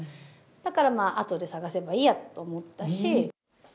だからまあ、あとで探せばいいやと思ったし。